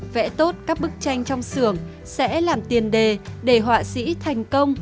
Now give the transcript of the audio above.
vẽ tốt các bức tranh trong xưởng sẽ làm tiền đề để họa sĩ thành công